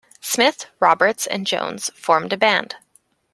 Smith, Roberts and Jones formed a band.